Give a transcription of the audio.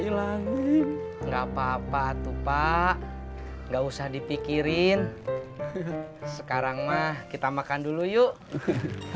ngambek enggak papa tuh pak enggak usah dipikirin sekarang mah kita makan dulu yuk